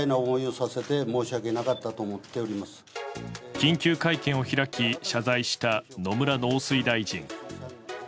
緊急会見を開き謝罪した野村農水大臣。